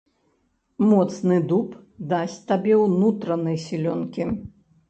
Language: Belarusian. Моцны дуб дасць табе ўнутранай сілёнкі.